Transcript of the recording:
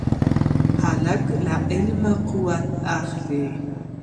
هلک له علمه قوت اخلي.